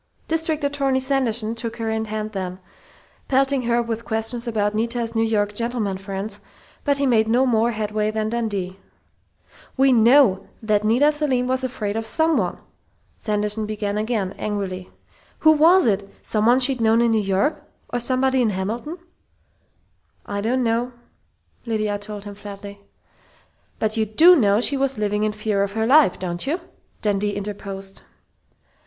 District Attorney Sanderson took her in hand then, pelting her with questions about Nita's New York "gentlemen friends," but he made no more headway than Dundee. "We know that Nita Selim was afraid of someone!" Sanderson began again, angrily. "Who was it someone she'd known in New York, or somebody in Hamilton?" "I don't know!" Lydia told him flatly. "But you do know she was living in fear of her life, don't you?" Dundee interposed.